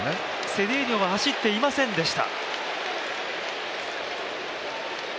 セデーニョは走っていませんでした。